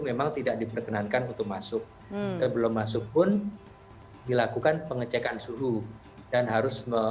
memang tidak diperkenankan untuk masuk sebelum masuk pun dilakukan pengecekan suhu dan harus